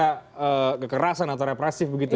itu kekerasan atau represif begitu ya